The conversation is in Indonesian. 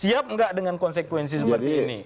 siap nggak dengan konsekuensi seperti ini